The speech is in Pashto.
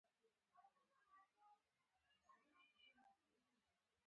د غوریان وسپنه مشهوره ده